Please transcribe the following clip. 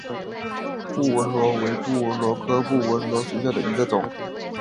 布纹螺为布纹螺科布纹螺属下的一个种。